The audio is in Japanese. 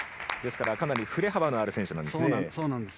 かなり振れ幅のある選手なんですね。